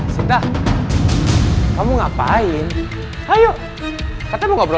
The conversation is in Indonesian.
sampai jumpa gak